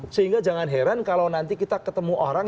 sehingga jangan heran kalau nanti kita ketemu orang